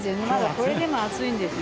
これでも暑いんですよ。